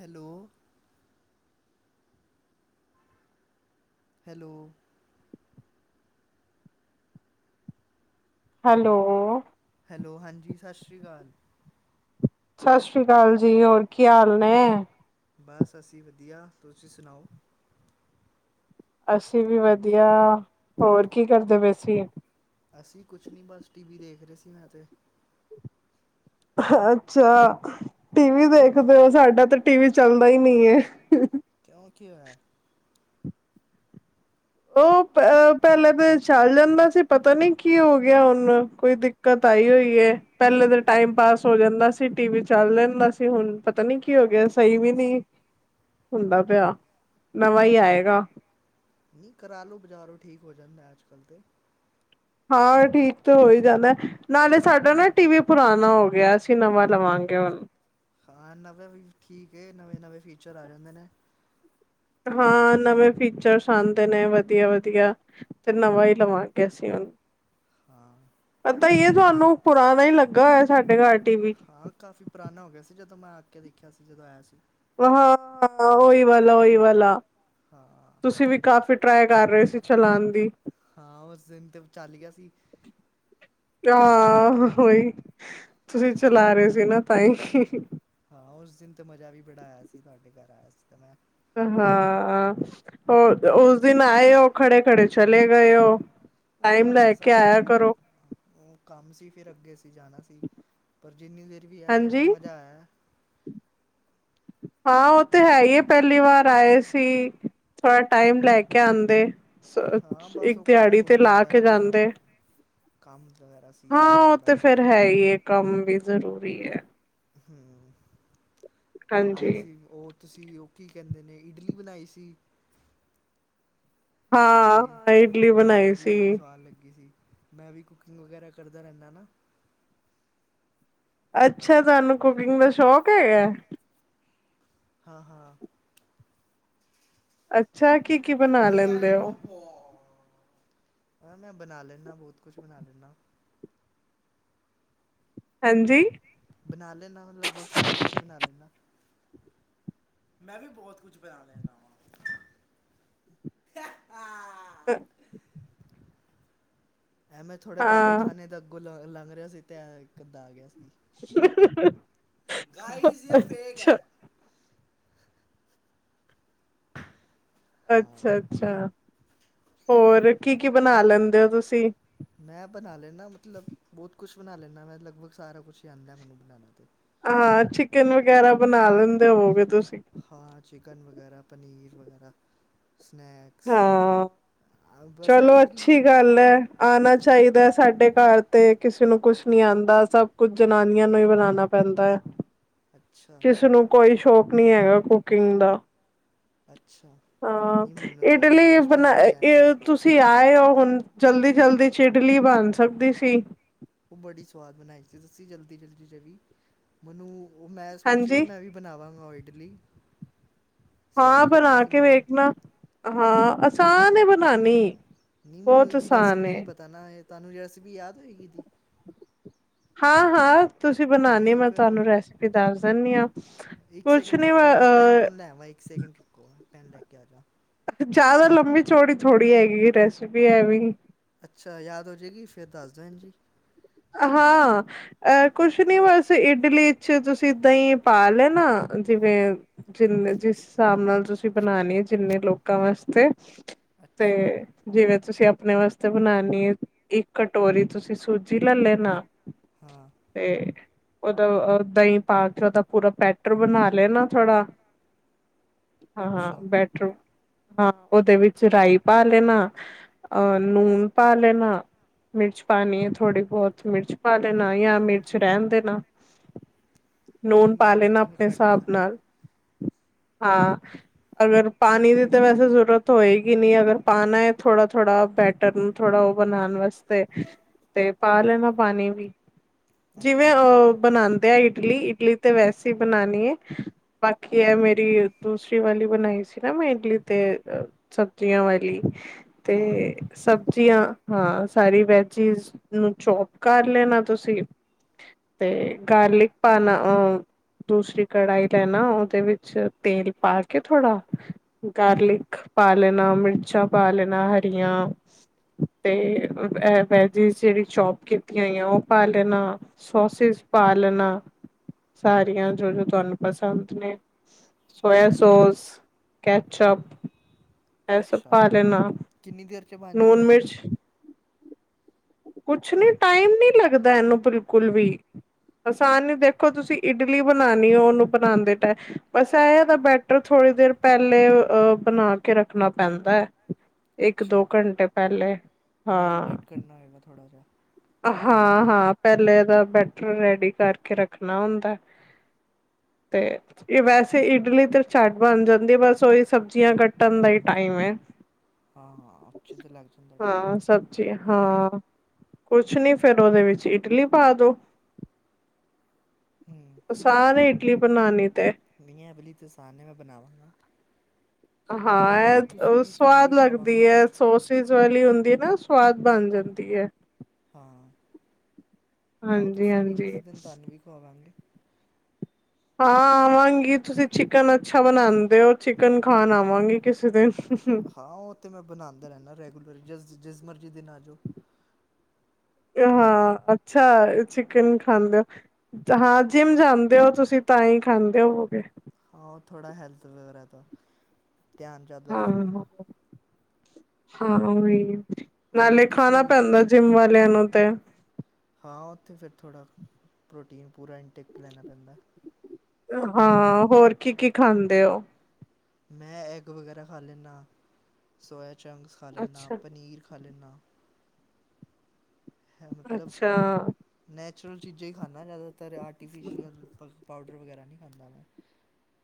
Hello. Hello hello hello ਹਾਂਜੀ, ਸਤਿ ਸ਼੍ਰੀ ਅਕਾਲ। ਸਤਿ ਸ਼੍ਰੀ ਅਕਾਲ ਜੀ, ਹੋਰ ਕੀ ਹਾਲ ਨੇ? ਮੈ ਸਸੀ ਵਧੀਆ, ਤੁਸੀਂ ਸੁਣਾਓ? ਅਸੀਂ ਵੀ ਵਧੀਆ, ਹੋਰ ਕੀ ਕਰਦੇ ਵਏ ਸੀਂ? ਅਸੀਂ ਕੁਛ ਨੀ, ਬਸ ਟੀ ਵੀ ਦੇਖ ਰਹੇ ਸੀ ਮੈਂ ਤੇ। ਅੱਛਾ, ਟੀਵੀ ਹਾਂ, ਦੇਖਦੇ ਹੋ ਸਾਡਾ ਤਾਂ ਟੀ ਵੀ ਚੱਲਦਾ ਹੀ ਨਹੀਂ ਐ। ਕਿਉਂ ਕੀ ਹੋਇਆ? ਉਹ ਪ ਪਹਿਲਾਂ ਤੇ ਚੱਲ ਜਾਂਦਾ ਸੀ ਪਤਾ ਨੀ ਕੀ ਹੋ ਗਿਆ ਹੁਣ ਕੋਈ ਦਿ ਕਤ ਆਈ ਹੋਈ ਏ, ਪਹਿਲੇ ਤਾਂ ਟਾਈਮ ਪਾਸ ਹੋ ਜਾਂਦਾ ਸੀ, ਟੀ ਵੀ ਚੱਲ ਰੈਂਦਾ ਸੀ ਹੁਣ ਪਤਾ ਨੀ ਕੀ ਹੋ ਗਿਆ? ਸਹੀ ਵੀ ਨੀ ਹੁੰਦਾ ਪਿਆ, ਨਵਾਂ ਹੀ ਆਏਗਾ। ਨਹੀਂ, ਕਰਾ ਲਓ ਬਾਜ਼ਾਰੋਂ ਠੀਕ ਹੋ ਜਾਂਦਾ ਅੱਜ ਕੱਲ੍ਹ ਤੇ। ਹਾਂ ਠੀਕ ਤਾਂ ਹੋ ਹੀ ਜਾਂਦਾ, ਨਾਲੇ ਸਾਡਾ ਨਾ ਟੀ ਵੀ ਪੁਰਾਣਾ ਹੋ ਗਿਆ, ਅਸੀਂ ਨਵਾਂ ਲਵਾਂਗੇ ਹੁਣ। ਹਾਂ ਨਵੇਂ ਵੀ ਠੀਕ ਏ, ਨਵੇਂ-ਨਵੇਂ ਫੀਚਰ ਆ ਜਾਂਦੇ ਨੇ। ਹਾਂ, ਨਵੇਂ ਫੀਚਰਸ ਆਦੇ ਨੇ ਵਧੀਆ-ਵਧੀਆ। ਤੇ ਨਵਾਂ ਹੀ ਲਵਾਂਗੇ ਅਸੀਂ ਹੁਣ। ਹਾਂ। ਪਤਾ ਹੀ ਏ ਤੁਹਾਨੂੰ, ਪੁਰਾਣਾ ਹੀ ਲੱਗਾ ਹੋਇਆ ਸਾਡੇ ਘਰ। T V. ਹਾਂ ਕਾਫ਼ੀ ਪੁਰਾਣਾ ਹੋ ਗਿਆ ਸੀ, ਜਦੋਂ ਮੈਂ ਆ ਕੇ ਦੇਖਿਆ ਸੀ ਜਦੋਂ ਆਇਆ ਸੀ। ਹਾਂ। ਓਹੀ ਵਾਲਾ ਓਹੀ ਵਾਲਾ ਹਾਂ। ਤੁਸੀਂ ਵੀ ਕਾਫ਼ੀ ਟਰਾਈ ਕਰ ਰਹੇ ਸੀ, ਚਲਾਣ ਦੀ। ਹਾਂ, ਉਸ ਦਿਨ ਤੇ ਚੱਲ ਗਿਆ ਸੀ। ਆਹ ਉਹੀ ਤੁਸੀਂ ਚਲਾ ਰਹੇ ਸੀ ਨਾ ਤਾਂਹੀ ਹਾਂ ਉਸ ਦਿਨ ਤਾਂ ਮਜ਼ਾ ਵੀ ਬੜਾ ਆਇਆ ਸੀ ਤੁਹਾਡੇ ਘਰ ਆਇਆ ਸੀ ਤਾਂ ਮੈਂ ਹਾਂ, ਉਸ ਦਿਨ ਆਏ ਹੋ ਖੜੇ-ਖੜੇ ਚਲੇ ਗਏ ਹੋ। ਉਹ ਟਾਈਮ ਬਸ ਲੈ ਕੇ ਸਾਡੀ ਆਇਆ ਫਿਰ ਕਰੋ। ਉਹ ਕੰਮ ਸੀ ਫਿਰ ਅੱਗੇ ਅਸੀ ਜਾਣਾ ਸੀ ਪਰ ਜਿੰਨੀ ਦੇਰ ਵੀ ਆਏ ਆ ਹਾਂਜੀ। ਮਜ਼ਾ ਆਇਆ। ਹਾਂ, ਉਹ ਤੇ ਹੈ ਹੀ ਹੈ ਪਹਿਲੀ ਵਾਰ ਆਏ ਸੀ ਥੋੜਾ ਟਾਈਮ ਲੈ ਕੇ ਆਉਂਦੇ। ਸਰ ਹਾਂ ਤੁਸੀਂ ਬਸ ਇੱਕ ਉਹ ਕੰਮ ਦਿਹਾੜੀ ਤੇ ਕੁਮ ਲਾ ਹੁੰਦਾ ਕੇ ਨਾ ਥੋੜ੍ਹਾ ਜਾਂਦੇ। ਕੰਮ ਵਗੈਰਾ ਸੀ ਹਾਂ ਸਾਨੂੰ ਉਹ ਥੋੜ੍ਹਾ ਤੇ ਕੇ ਫੇਰ ਹੈ ਹੀ ਹੈ ਕੰਮ ਵੀ ਜ਼ਰੂਰੀ ਹੈ। ਹਮ ਹਾਂਜੀ ਆਏ ਸੀ ਉਹ ਤੁਸੀਂ ਉਹ ਕੀ ਕਹਿੰਦੇ ਨੇ ਇਡਲੀ ਬਣਾਈ ਸੀ। ਤੁਸੀਂ ਹਾਂ ਇਡਲੀ ਹਾਂ ਬਣਾਈ ਇਡਲੀ ਸੀ ਬੜੀ ਸਵਾਦ ਲੱਗੀ ਸੀ। ਮੈਂ ਵੀ ਕੁਕਿੰਗ ਵਗੈਰਾ ਕਰਦਾ ਰਹਿੰਨਾ ਨਾ ਅੱਛਾ। ਤੁਹਾਨੂੰ ਕੁਕਿੰਗ ਦਾ ਸ਼ੌਕ ਹੈਗਾ। ਹਾਂ-ਹਾਂ। ਅੱਛਾ ਕੀ ਕੀਤਾ ਮੈਂ ਬਣਾ ਲੈਨਾ ਬਹੁਤ ਕੁਛ ਬਣਾ ਲੈਨਾ ਹਾਂਜੀ। ਬਣਾ ਲੈਂਨਾ ਲਗਭਗ ਸਾਰਾ ਕੁਛ ਬਣਾ ਲੈਂਨਾ ਮੈਂ ਵੀ ਬਹੁਤ ਕੁਝ ਬਣਾ ਲੈਂਨਾ ਹਾਂ। [unintelligible] ਐ ਮੈਂ ਥੋੜ੍ਹੇ ਹਾਂ ਪਾਗਲਖਾਨੇ ਦਾ ਅੱਗੋਂ ਲ ਲੰਘ ਰਿਹਾ ਸੀ, ਤੇ ਇਕ-ਅੱਧਾ ਆ ਗਿਆ ਸੀ। [inaudible] ਗਾਈਜ਼ ਯੇ ਫੇਕ ਅੱਛਾ ਹੈ। ਹਾਂ ਅੱਛਾ-ਅੱਛਾ। ਹੋਰ ਕੀ-ਕੀ ਬਣਾ ਲੈਂਦੇ ਹੋ ਤੁਸੀਂ? ਮੈਂ ਬਣਾ ਲੈਂਨਾ ਮਤਲਬ ਬਹੁਤ ਕੁਛ ਬਣਾ ਲੈਂਦਾ ਮੈਂ ਲਗਭਗ ਸਾਰਾ ਕੁਛ ਹੀ ਆਂਦਾ ਮੈਨੂੰ ਬਣਾਣਾ'ਤੇ। ਆ ਚਿਕਨ ਵਗੈਰਾ ਬਣਾ ਲੈਂਦੇ ਹੋਵੋਗੇ ਤੁਸੀਂ? ਹਾਂ, ਚਿਕਨ ਵਗੈਰਾ ਪਨੀਰ ਵਗੈਰਾ ਸਨੈਕਸ ਹਾਂ ਬਸ ਐ ਚਲੋ ਅੱਛੀ ਇਡਲੀ ਗੱਲ ਹੈ। ਆਣਾ ਚਾਹੀਦਾ ਸਾਡੇ ਘਰ ਤੇ ਕਿਸੇ ਨੂੰ ਕੁਛ ਨੀ ਆਉਂਦਾ ਸਭ ਕੁਛ ਜਨਾਨੀਆਂ ਨੂੰ ਹੀ ਬਣਾਣਾ ਪੈਂਦਾ ਹੈ। [inaudible] ਕਿਸੇ ਨੂੰ ਕੋਈ ਸ਼ੌਕ ਨੀ ਹੈਗਾ, ਕੁਕਿੰਗ ਦਾ। ਅੱਛਾ, ਨੀ ਹਾਂ ਮਨ ਇਡਲੀ ਬਣਾ [unintelligible] ਤੁਸੀਂ ਆਏ ਹੋ ਹੁਣ ਜਲਦੀ-ਜਲਦੀ ਚ ਇਡਲੀ ਬਣ ਸਕਦੀ ਸੀ। ਉਹ ਬੜੀ ਸਵਾਦ ਬਣਾਈ ਸੀ ਤੁਸੀ ਜਲਦੀ-ਜਲਦੀ 'ਚ ਵੀ ਮੈਨੂੰ ਉਹ ਮੈਂ ਸੋਚਿਆ ਹਾਂਜੀ ਮੈਂ ਵੀ ਬਣਾਵਾਂਗਾ ਉਹ ਇਡਲੀ ਹਾਂ, ਸਵਾਦ ਬਣਾ ਲੱਗੀ ਸੀ ਕੇ ਮੈਨੂੰ। ਵੇਖਣਾ ਹਾਂ ਆਸਾਨ ਏ ਬਣਾਨਣੀ। ਨਹੀਂ ਮੈਨੂੰ ਇਹਦੀ ਰੈਸਪੀ ਨਹੀਂ ਪਤਾ ਨਾ ਇਹ ਤੁਹਾਨੂੰ ਰੈਸਿਪੀ ਯਾਦ ਹੋਏਗੀ ਏਹਦੀ? ਹਾਂ-ਹਾਂ। ਤੁਸੀਂ ਦੱਸ ਬਣਾਉਾਨਣੀ ਦਿਉ ਮੈਂ ਫਿਰ ਤੁਹਾਨੂੰ ਮੈਨੂੰ ਰੈਸਪੀ ਦੱਸ ਦਿੰਦੀ ਹਾਂ ਇੱਕ ਕੁਛ ਸੈਕਿੰਡ ਨੀ ਮ ਰੁਕੋ ਮੈਂ ਪੈੱਨ ਅਹ ਪੁੰਨ ਲੈ ਆਵਾਂ ਇੱਕ ਸੈਕਿੰਡ ਰੁਕੋ ਪੇਨ ਲੈ ਕੇ ਆ ਜਾ। ਜਿਆਦਾ ਲੰਮੀ ਚੌੜੀ ਥੋੜ੍ਹੀ ਹੈਗੀ ਰੈਸਪੀ ਐ ਵੀਂ ਅੱਛਾ ਯਾਦ ਹੋ ਜਾਵੇਗੀ ਫੇਰ ਦੱਸ ਦੇਣ ਜੀ। ਹਾਂ ਅ ਕੁਛ ਨੀ ਬਸ ਇਡਲੀ ਚ ਤੁਸੀਂ ਦਹੀਂ ਪਾ ਲੈ ਨਾ। ਜਿਵੇਂ ਜਿੰਨੇ ਜਿਸ ਹਿਸਾਬ ਨਾਲ ਤੁਸੀਂ ਬਣਾਨੀ ਜਿੰਨੇ ਲੋਕਾਂ ਵਾਸਤੇ ਤੇ ਅੱਛਾ ਜਿਵੇਂ ਤੁਸੀਂ ਆਪਣੇ ਵਾਸਤੇ ਬਣਾਨਣੀ ਹੈ ਇੱਕ ਕਟੋਰੀ ਤੁਸੀਂ ਸੂਜੀ ਜਲਾ ਲੈਣਾ ਹਾਂ ਤੇ ਉਦੋਂ ਦਹੀਂ ਪਾ ਕੇ ਉਹਦਾ ਪੂਰਾ ਪੈਟਰ ਬਣਾ ਲਿਆ ਨਾ, ਥੋੜਾ ਹਾਂ-ਹਾਂ ਅੱਛਾ ਬੈ ਹਾਂ ਉਹਦੇ ਵਿੱਚ ਰਾਈ, ਪਾ ਲੈਣਾ ਅ ਨੂਣ ਪਾ ਲੈਣਾ, ਮਿਰਚ ਪਾਣੀ ਹੈ। ਥੋੜ੍ਹੀ ਬਹੁਤ ਮਿਰਚ ਪਾ ਲਣਾ ਜਾਂ ਮਿਰਚ ਰਹਿਣ ਦੇਣਾ। ਨਹੀਂ ਨੂਨ ਪਾ ਮਿਰਚੀ ਲੈਣਾ ਤਾਂ ਮੈਂ ਆਪਣੇ ਘੱਟ ਹੀ ਹਿਸਾਬ ਖਾਂਦਾ ਨਾਲ। ਹਾਂ ਅਗਰ ਪਾਣੀ ਦੀ ਤੇ ਵੈਸੇ ਜ਼ਰੂਰਤ ਹੋਏਗੀ ਨੀ ਅਗਰ ਪਾਣਾ ਹੈ, ਥੋੜਾ -ਥੋੜਾ ਬੈਟਰ ਥੋੜਾ ਉਹ ਬਣਾਉਣ ਵਾਸਤੇ। ਤੇ ਪਾ ਲੈਣਾ ਪਾਣੀ ਵੀ, ਜਿਵੇਂ ਅੱਛਾ ਅਹ। ਬਣਾਉਦੇ ਆ ਇਡਲੀ, ਇਡਲੀ ਤੇ ਵੈਸੇ ਹੀ ਬਣਾਉਾਨਣੀ ਹੈ। ਬਾਕੀ ਇਹ ਮੇਰੀ ਦੂਸਰੀ ਵਾਲੀ ਬਣਾਈ ਸੀ, ਨਾ ਮੈਂ ਇਡਲੀ ਤੇ ਸਬਜ਼ੀਆਂ ਵਾਲੀ ਹਾਂ ਤੇ ਸਬਜ਼ੀਆਂ ਹਾਂ, ਸਾਰੀ ਵੈਜਿਸ ਨੂੰ ਚੋਪ ਕਰ ਲੈਣਾ, ਤੁਸੀਂ ਤੇ ਗਾਰਲਿਕ ਪਾਣਾ ਅਹ ਦੂਸਰੀ ਕੜਾਹੀ ਲੈਣਾ, ਉਹਦੇ ਵਿੱਚ ਤੇਲ ਪਾ ਕੇ ਥੋੜ੍ਹਾ ਗਾਰਲਿਕ ਪਾਲਣਾ, ਮਿਰਚਾਂ ਪਾਾਲਣਾ ਹਰੀਆਂ ਤੇ ਮ ਐ ਵੇਜਿਜ਼ ਜਿਹੜੀ ਚੋਪ ਕੀਤੀਆਂ ਹੋਈਆਂ, ਉਹ ਪਾ ਲੈਣਾ ਸੋਸਿਸ ਪਾਲਣਾ ਸਾਰੀਆਂ ਜੋ-ਜੋ ਤੁਹਾਨੂੰ ਪਸੰਦ ਨੇ ਸੋਇਆ ਹੂੰ ਸੋਸ, ਕੈਚਅਪ ਇਹ ਸਭ ਅੱਛਾ, ਪਾ ਲੈਣਾ ਕਿੰਨੀ ਦੇਰ ਚ ਬਣ ਨੂਨ ਜਾਂਦਾ ਏ? ਮਿਰਚ ਕੁਛ ਨੀ ਟਾਈਮ ਨੀ ਲੱਗਦਾ, ਇਹਨੂੰ ਬਿਲਕੁਲ ਵੀ। ਆਸਾਨ ਏ ਦੇਖੋ ਤੁਸੀਂ ਇਡਲੀ ਬਣਾਉਣੀ ਹੋ, ਉਹਨੂੰ ਬਣਾਉਣਦੇ ਟਮ ਬਸ ਏ ਇਹਦਾ ਬੈ ਟਰ ਥੋੜ੍ਹੀ ਦੇਰ ਪਹਿਲੇ, ਅਹ ਬਣਾ ਕੇ ਰੱਖਣਾ ਪੈਂਦਾ ਹੈ। ਇੱਕ-ਦੋ ਅੱਛਾ ਘੰਟੇ ਪਹਿਲੇ ਹਾਂ। ਮੈਰੀਨੇਟ ਕਰਨਾ ਹੋਏਗਾ ਥੋੜਾ ਜਿਹਾ। ਹਾਂ-ਹਾਂ, ਪਹਿਲੇ ਏਦਾ ਬੈਟਰ ਰੈਡੀ ਕਰਕੇ ਰੱਖਣਾ ਹੁੰਦਾ। ਤੇ ਇਹ ਵੈਸੇ ਇਡਲੀ ਤੇ ਝਟ ਬਣ ਜਾਂਦੀ, ਬਸ ਉਹੀ ਸਬਜ਼ੀਆਂ ਕੱਟਣ ਦਾ ਹੀ ਟਾਈਮ ਹੈ। ਹਾਂ-ਹਾਂ, ਉੱਚ ਤੇ ਲੱਗ ਜਾਂਦਾ ਟਾਈਮ। ਜੀ, ਹਾਂ। ਕੁਛ, ਨੀ ਫੇਰ ਉਹਦੇ ਵਿੱਚ ਇਡਲੀ ਪਾ ਦੋ। ਹੂੰ ਆਸਾਨ ਏ ਇਡਲੀ ਬਣਾਉਣੀ ਤੇ। ਨਹੀਂ, ਏ ਵਲੀ ਤੇ ਅਸਾਨ ਏ ਮੈਂ ਬਣਾਵਾਂਗਾ। ਅਤੇ ਹਾਂ, ਆਓ ਇਹ ਤੁਸੀਂ ਉਹ ਵੀ ਤੁਹਾਨੂੰ ਸਵਾਦ ਵੀ ਲੱਗਦੀ ਖਵਾਵਾਂਗਾ ਹੈ। ਸੋਸਿਸ ਵਾਲੀ ਹੁੰਦੀ ਨਾ ਸਵਾਦ ਬਣ ਜਾਂਦੀ ਹੈ। ਹਾਂ ਆਓ ਹਾਂਜੀ ਤੁਸੀਂ ਵੀ ਹਾਂਜੀ ਕਿਸੇ ਦਿਨ ਤੁਹਾਨੂੰ ਵੀ ਖਵਾਵਾਂਗੇ। ਹਾਂ ਆਵਾਂਗੀ ਤੁਸੀਂ ਚਿਕਨ ਅੱਛਾ ਬਣਾਉਂਦੇ ਹੋ, ਚਿਕਨ ਖਾਣ ਆਵਾਂਗੀ ਕਿਸੇ ਦਿਨ। ਹਾਂ ਉਹ ਤਾਂ ਮੈਂ ਬਣਾਉਂਦਾ ਰਹਿਨਾ ਰੈਗੂਲਰ ਜਿਸ ਜਿਸ ਮਰਜ਼ੀ ਦਿਨ ਆ ਜੋ। ਹਾਂ ਅੱਛਾ, ਚਿਕਨ ਖਾਂਦੇ ਹੋ। ਹਾਂ ਜਿੰਮ ਜਾਂਦੇ ਹੋ, ਤੁਸੀਂ ਤਾਂ ਹੀ ਖਾਂਦੇ ਹੋਵਗੇ। ਹਾਂ, ਓ ਥੋੜਾ ਹੈਲਥ ਵਗੈਰਾ ਤ ਹਾਂ, [unintelligible] ਹਾਂ ਏ। ਹੋਰ ਨਾਲੇ ਤੁਸੀਂ ਖਾਣਾ ਪੈਂਦਾ ਜਿੰਮ ਵਾਲਿਆਂ ਨੂੰ ਤੇ। ਹਾਂ ਓਥੇ ਫੇਰ ਥੋੜਾ ਪ੍ਰੋਟੀਨ ਪੂਰਾ ਇਨਟੇਕ ਲੈਣਾ ਪੈਂਦਾ। ਹਾਂ, ਹੋਰ ਕੀ-ਕੀ ਖਾਂਦੇ ਓ? ਮੈਂ ਐਗ ਵਗੈਰਾ ਖਾ ਲੈਨਾ, ਸੋਆਚੰਗਸ ਖਾ ਲੈਨਾ, ਅੱਛਾ ਪਨੀਰ ਖਾ ਲੈਨਾ। ਹੈ ਮਤਲਬ। ਅੱਛਾ ਨੈਚੁਰਲ ਚੀਜ਼ਾਂ ਹੀ ਖਾਨਾ ਜ਼ਿਆਦਾਤਰ ਆਰਟੀਫਿਸ਼ੀਅਲ ਪਾ ਪਾਊਡਰ ਵਗੈਰਾ ਨੀ ਖਾਂਦਾ ਮੈਂ।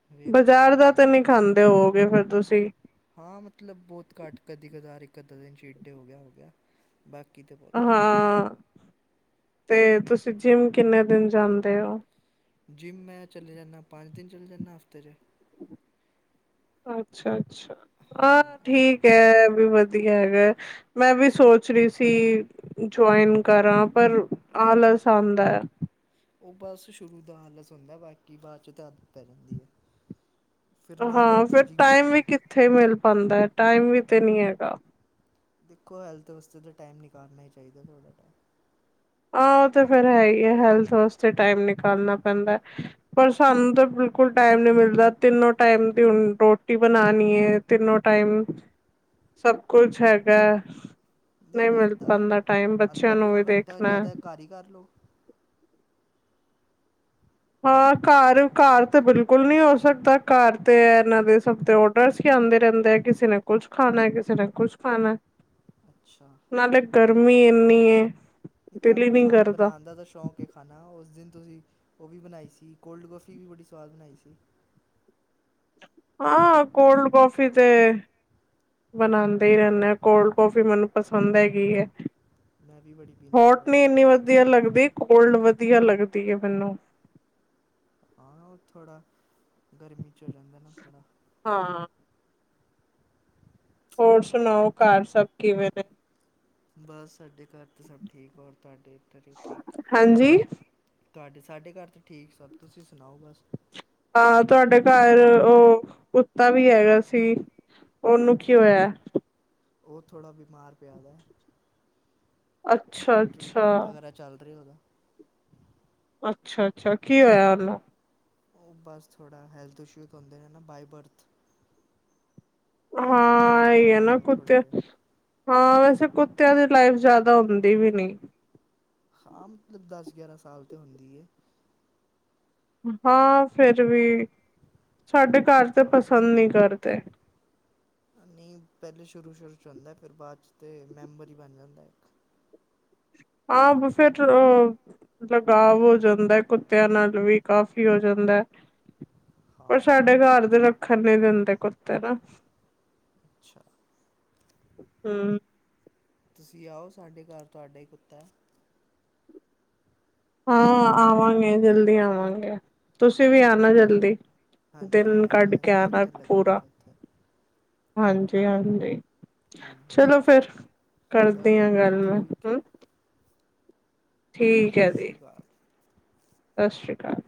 [unintelligible] [unintelligible] ਬਜ਼ਾਰ ਪ੍ਰੋਟੀਨ 'ਚ ਦਾ ਤੇ ਹੁੰਦਾ ਨੀ ਖਾਂਦੇ ਹੋਓਗੇ ਫੇਰ ਤੁਸੀਂ? ਹਾਂ ਮਤਲਬ ਬਹੁਤ ਘੱਟ ਕਦੀ ਕਦਾਰ ਇੱਕ ਅੱਧਾ ਦਿਨ [unintelligible] ਹੋ ਗਿਆ ਹੋ ਗਿਆ ਬਾਕੀ ਤਾਂ ਬਹੁਤ ਘੱਟ। ਫੇਰ ਤੁਸੀਂ ਜਿੰਮ ਕਿੰਨੇ ਦਿਨ ਜਾਂਦੇ ਓ? ਜਿੰਮ ਮੈਂ ਚਲੇ ਜਾਨਾ ਪੰਜ ਦਿਨ ਚਲ ਜਾਨਾ ਹਫ਼ਤੇ ਚ। ਅੱਛਾ-ਅੱਛਾ, ਹਾਂ ਠੀਕ ਐ ਐਹ ਵੀ ਵਧੀਆ ਹੈਗਾ। ਮੈਂ ਵੀ ਸੋਚ ਰੀ ਸੀ। ਜੁਆਇਨ ਕਰਾ ਪਰ ਆਲਸ ਆਦੈ। ਓ ਬਸ ਸ਼ੁਰੂ ਤੋਂ ਆਲਸ ਹੁੰਦਾ, ਬਾਕੀ ਬਾਅ ਚੋ ਤਾਂ ਆਦਤ ਪੈ ਜਾਂਦੀ ਐ। ਫੇਰ ਨਾ ਜਾਓ ਤੇ ਅਜੀਬ ਲੱਗਦੈ। ਫੇਰ ਮਿਲ ਪਾਦਾ ਟਾਈਮ ਵੀ ਤੇ ਨੀ ਹੈਗਾ। ਦੇਖੋ ਹੈਲਥ ਵਾਸਤੇ ਤੇ ਦਾ ਟਾਈਮ ਨਿਕਾਲਣਾ ਈ ਚਾਹੀਦਾ ਥੋੜਾ ਟਾਈਮ। ਆਹ ਓ ਤੇ ਫੇਰ ਹੈ ਹੀ ਐ ਹੈਲਥ ਵਾਸਤੇ ਟਾਈਮ ਨਿਕਾਲਣਾ ਪੈਂਦਾ। ਪਰ ਸਾਨੂੰ ਤਾਂ ਬਿਲਕੁਲ ਟਾਈਮ ਨੀ ਮਿਲਦਾ ਤਿੰਨੋ ਟਾਈਮ ਦੀ ਰੋਟੀ ਬਣਾਣੀ ਏ। ਤਿੰਨੋ ਟਾਈਮ ਸਭ ਕੁਛ ਹੈਗਾ। ਨ‌ਈ ਨਹੀਂ ਮਿਲ ਪਾਦਾ ਟਾਈਮ ਬੱਚਿਆਂ ਨੂੰ ਵੀ ਦੇਖ ਜ਼ਾਦਾ ਘਰ ਈ ਕਰ ਲੋ। ਹਾਂ ਘਰ, ਘਰ ਤੇ ਬਿਲਕੁਲ ਨੀ ਹੋ ਸਕਦਾ ਘਰ ਤੇ ਏਹਨਾਂ ਦੇ ਸਭ ਤ ਦਸ ਕੇ ਆਦੇ ਰਹਿੰਦੇ ਐ, ਕਿਸੀ ਨੇ ਕੁਛ ਖਾਣਾ ਕਿਸੇ ਨੇ ਕੁਛ ਖਾਣਾ। ਅੱਛਾ ਨਹੀਂ ਨਾਲੇ ਗਰਮੀ ਐਨੀ ਏ, ਦਿਲ ਈ ਨੀ ਕਰਦਾ। ਏਦਾ ਦਾ ਸ਼ੌਕ ਕੇ ਖਾਣਾ ਓਸ ਦਿਨ ਤੁਸੀਂ ਓ ਵੀ ਬਣਾਈ ਸੀ ਕੋਲਡ-ਕੌਫੀ ਵੀ ਬੜੀ ਸਵਾਦ ਬਣਾਈ ਸੀ। ਹਾਂ ਕੋਲਡ ਕੌਫੀ ਤੇ ਬਣਾਦੇ ਈ ਰਹਿਨੇ ਆ ਕੋਲਡ ਕੌਫੀ ਮੈਨੂੰ ਪਸੰਦ ਹੈਗੀ ਐ। ਮੈਂ ਵੀ ਬੜੀ ਪੀਂਦਾ ਹੋਟ ਕੋਲਡ ਨੀ ਐਨੀ ਕੌਫੀ ਤਾਂ ਵਧੀਆ ਲੱਗਦੀ, ਕੋਲਡ ਵਧੀਆ ਲੱਗਦੀ ਐ ਮੈਨੂੰ। ਹਾਂ ਓ ਥੋੜਾ ਗਰਮੀ ਚ ਹੋ ਜਾਂਦਾ ਨਾ ਥੋੜਾ। ਹਾਂ। ਹੋਰ ਸੁਣਾਓ ਘਰ ਸਬ ਕਿਵੇਂ ਨੇ? ਬਸ ਸਾਡੇ ਘਰ ਤੇ ਸਭ ਠੀਕ, ਔਰ ਤੁਹਾਡੇ ਏਧਰ ਠੀ ਹਾਂਜੀ ਤੁਹਾਡੇ ਸਾਡੇ ਘਰ ਤੇ ਠੀਕ ਸਬ, ਤੁਸੀਂ ਸੁਣਾਓ ਬਸ? ਹਾਂ, ਤੁਹਾਡੇ ਘਰ ਓ ਕੁੱਤਾ ਵੀ ਹੈਗਾ ਸੀ। ਓਨੂੰ ਕੀ ਹੋਇਆ? ਓ ਥੋੜਾ ਬਿਮਾਰ ਪਿਆ ਵਾ। ਅੱਛਾ ਟ੍ਰੀਟਮੈਂਟ ਅੱਛਾ ਵਗੈਰਾ ਚੱਲ ਰਿਹਾ ਓਦਾ। ਅੱਛਾ-ਅੱਛਾ, ਕੀ ਹੋਇਆ ਓਨੂੰ? ਓ ਬਸ ਥੋੜਾ ਹੈਲਥ ਇਸ਼ੂਜ ਹੁੰਦੇ ਨੇ ਨਾ ਬਾਏ-ਬਰਥ। ਇਨਫੈਕਸ਼ਨ ਹਾਂ ਇਹ ਵਗੈਰਾ ਹੈ ਨਾ ਓਨੂੰ ਥੋੜੇ ਕੁੱਤੇ ਜੇ। ਹਾਂ ਵੈਸੇ ਕੁੱਤਿਆਂ ਦੀ ਲਾਈਫ ਜ਼ਆਦਾ ਹੁੰਦੀ ਵੀ ਨੀ। ਹਾਂ ਮਤਲਬ ਦਸ-ਗਆਰਾਂ ਸਾਲ ਤੋਂ ਹੁੰਦੀ ਏ। ਹਾਂ ਫੇਰ ਵੀ ਸਾਡੇ ਘਰ ਤੇ ਪਸੰਦ ਨੀ ਕਰਦੇ। ਨੀ ਪੈਹਲੇ ਸ਼ੁਰੂ-ਸ਼ੁਰੂ ਚ ਹੋਂਦੈ ਫੇਰ ਬਾਦ ਚ ਤੇ ਮੈਂਬਰ ਈ ਬਣ ਜਾਂਦੈ। ਆਪ ਫੇਟ ਰੋ। ਲਗਾਵ ਓ ਜਾਂਦੈ ਕੁੱਤੇਆਂ ਨਾਲ ਵੀ ਕਾਫ਼ੀ ਹੋ ਜਾਂਦੈ। ਪਰ ਹਾਂ ਸਾਡੇ ਘਾਰ ਦੇ ਰੱਖਣ ਨੀ ਦਿੰਦੇ ਕੁੱਤੇ ਨਾ। ਅੱਛਾ। ਹੂੰ। ਤੁਸੀਂ ਆਓ ਸਾਡੇ ਘਰ ਤੁਹਾਡਾ ਈ ਕੁੱਤਾ। ਹਾਂ ਆਵਾਂਗੇ ਜਲਦੀ ਆਵਾਂਗੇ। ਤੁਸੀਂ ਵੀ ਹਾਂਜੀ ਆਣਾ ਜਲਦੀ, ਹਾਂਜੀ ਦਿਨ ਕੱਢ ਆਏਂਗੇ ਕੇ ਅਸੀਂ ਆਣਾ ਚੱਕਰ ਲੱਗੇਗਾ ਪੂਰਾ। ਤਾਂ ਇੱਥੇ ਹਾਂਜੀ-ਹਾਂਜੀ। ਹਾਂਜੀ ਚਲੋ ਫੇਰ, ਕਰਦੀ ਚਲੋ ਆਂ ਗੱਲ ਮੈਂ ਠੀਕ ਹੈ ਹੂੰ ਠੀਕ ਸਤਿ ਹੈ ਜੀ, ਸ਼੍ਰੀ ਅਕਾਲ ਸਸ਼ ਸ਼੍ਰੀ ਕਾਲ।